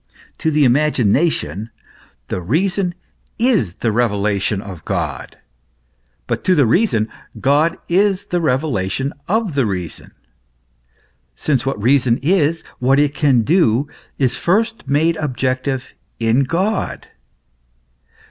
To the imagination, the reason is the revelation of God ; but to the reason, God is the reve lation of the reason; since what reason is, what it can do, is first made objective in God.